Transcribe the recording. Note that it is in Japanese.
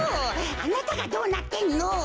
あなたがどうなってんの。